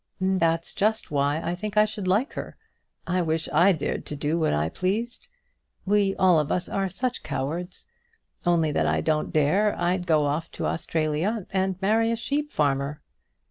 "That's just why I think I should like her. I wish I dared to do what I pleased! We all of us are such cowards. Only that I don't dare, I'd go off to Australia and marry a sheep farmer."